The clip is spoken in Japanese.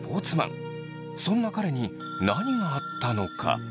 そんな彼に何があったのか？